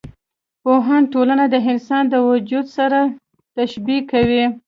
پوهان ټولنه د انسان د وجود سره تشبي کوي.